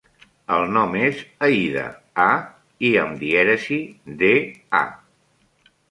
El nom és Aïda: a, i amb dièresi, de, a.